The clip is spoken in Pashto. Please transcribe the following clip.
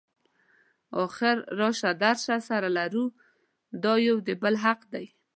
اخر راشه درشه سره لرو دا یو د بل حق دی.